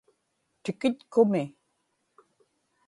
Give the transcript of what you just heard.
tikitkumi